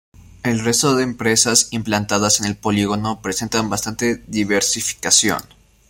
El resto de empresas implantadas en el polígono presentan bastante diversificación.